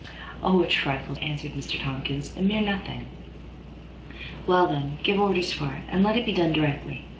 "O, a trifle, sir," answered Mr Tomkins, "a mere nothing." "Well, then, give orders for it, and let it be done directly.